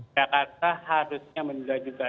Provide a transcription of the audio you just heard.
saya rasa harusnya menunda juga